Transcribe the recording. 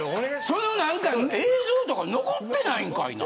映像とか残ってないんかいな。